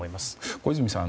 小泉さん